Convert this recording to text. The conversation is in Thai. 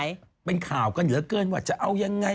อ่ะพี่น้องก็คือเป็นข่าวกันเหลือเกินว่าจะเอายังไง